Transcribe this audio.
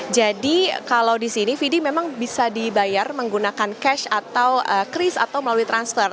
jadi kalau di sini fidi memang bisa dibayar menggunakan cash atau kris atau melalui transfer